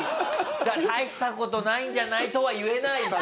「大した事ないんじゃない？」とは言えないし。